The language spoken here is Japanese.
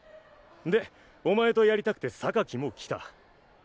でお前とやりたくても来た。